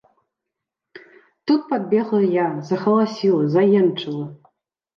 Тут падбегла я, загаласіла, заенчыла.